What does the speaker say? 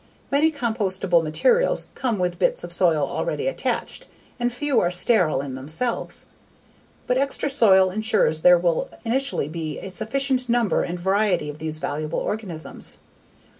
Many compostable materials come with bits of soil already attached and few are sterile in themselves. But extra soil ensures that there will initially be a sufficient number and variety of these valuable organisms.